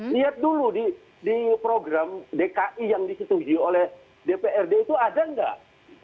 lihat dulu di program dki yang disetujui oleh dprd itu ada nggak